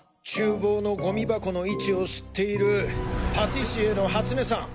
厨房のゴミ箱の位置を知っているパティシエの初根さん！